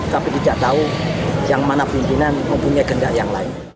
tapi tidak tahu yang mana pimpinan mempunyai gendak yang lain